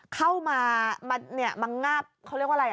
เข้ามามันเนี่ยมาง่าบเขาเรียกว่าอะไร